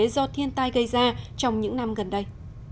do thiên tai gây ra trong những năm gần đây